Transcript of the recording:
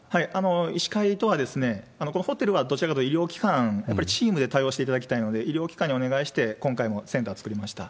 医師会とは、このホテルはどちらかというと医療機関、やっぱりチームで対応していただきたいので、医療機関にお願いして、今回のセンター作りました。